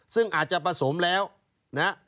ซึ่งอาจจะผสมแล้วนะฮะ